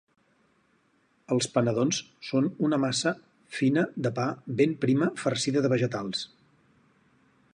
Els panadons són una massa fina de pa ben prima farcida de vegetals